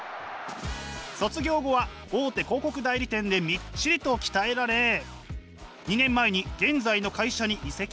卒業後は大手広告代理店でみっちりと鍛えられ２年前に現在の会社に移籍。